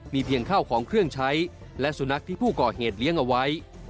เพียงข้าวของเครื่องใช้และสุนัขที่ผู้ก่อเหตุเลี้ยงเอาไว้